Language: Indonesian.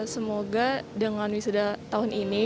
semoga dengan wisuda tahun ini